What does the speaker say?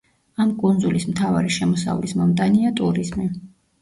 ამ კუნძულის მთავარი შემოსავლის მომტანია ტურიზმი.